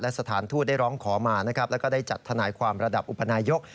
สถานทูตได้ร้องขอมานะครับแล้วก็ได้จัดทนายความระดับอุปนายก